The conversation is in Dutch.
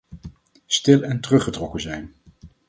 Stil en teruggetrokken zijn.